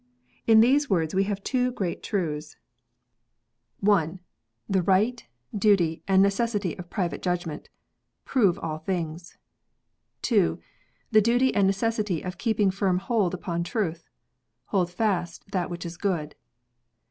In these words we have two great truths. 44 PRIVATE JUDGMENT. 45 I. The right, duty, and necessity of private judgment: "Prove all things." II. The duty and necessity of keeping firm hold upon truth :" Hold fast that which is good."